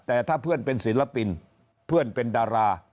แต่ถ้าเพื่อนเป็นศิลปินเพื่อนเป็นดารา